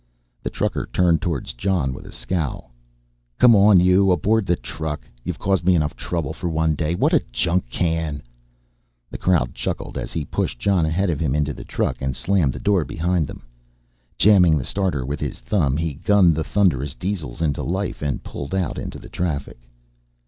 The trucker turned towards Jon with a scowl. "Come on you aboard the truck you've caused me enough trouble for one day. What a junkcan!" The crowd chuckled as he pushed Jon ahead of him into the truck and slammed the door behind them. Jamming the starter with his thumb he gunned the thunderous diesels into life and pulled out into the traffic.